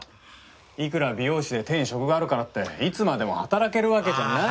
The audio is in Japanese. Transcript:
いくら美容師で手に職があるからっていつまでも働けるわけじゃない。